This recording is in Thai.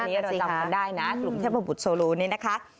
อันนี้เราจำกันได้นะกลุ่มเทพบุตรโซโลนี้นะคะ